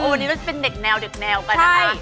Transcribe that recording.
ตอนนี้ก็เป็นเด็กแนวกันนะคะ